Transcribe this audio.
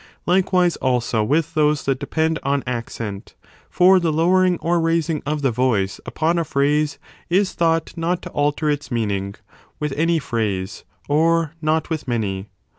Likewise also with those that depend on accent : for the lowering or raising of the voice upon a phrase is thought not to alter its meaning with any phrase, or not with many.